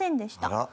あら。